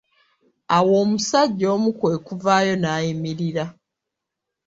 Awo omusajja omu kwekuvaayo n'ayimirira.